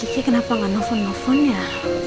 kiki kenapa gak nelfon nelfonnya